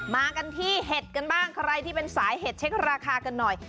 มากันที่เห็ดกันบ้างใครที่เป็นสายเห็ดเช็คราคากันหน่อย